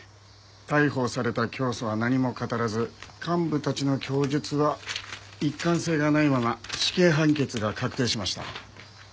逮捕された教祖は何も語らず幹部たちの供述は一貫性がないまま死刑判決が確定しました。